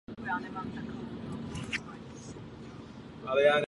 Disponujeme půdou, která byla vyňata ze zemědělské výroby.